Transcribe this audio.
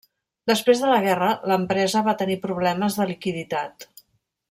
Després de la guerra l'empresa va tenir problemes de liquiditat.